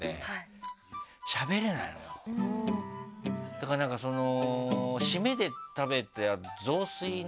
だからなんかその。